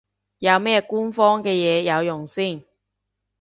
有咩官方嘢有用先